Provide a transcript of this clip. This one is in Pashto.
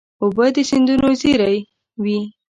اوبه د سیندونو زېری وي.